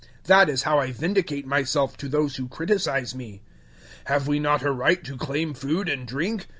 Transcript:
009:003 That is how I vindicate myself to those who criticize me. 009:004 Have we not a right to claim food and drink?